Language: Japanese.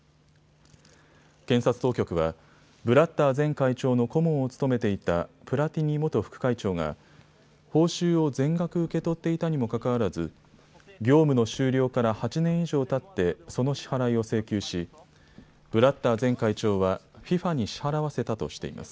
検察当局はブラッター前会長の顧問を務めていたプラティニ元副会長が報酬を全額受け取っていたにもかかわらず業務の終了から８年以上たってその支払いを請求しブラッター前会長はＦＩＦＡに支払わせたとしています。